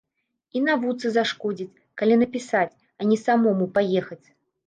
І навуцы зашкодзіць, калі напісаць, а не самому паехаць.